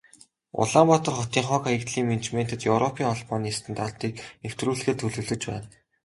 Улаанбаатар хотын хог, хаягдлын менежментэд Европын Холбооны стандартыг нэвтрүүлэхээр төлөвлөж байна.